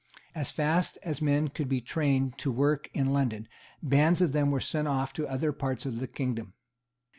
As fast as men could be trained to the work in London, bands of them were sent off to other parts of the kingdom.